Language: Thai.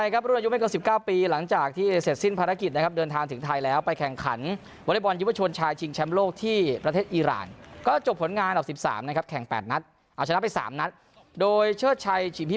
คุณธุเปะจะลงสนามเกมแรกในวีลีก